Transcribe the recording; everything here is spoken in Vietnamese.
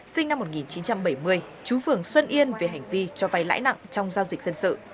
sinh năm một nghìn chín trăm bảy mươi chú phường xuân yên về hành vi cho vay lãi nặng trong giao dịch dân sự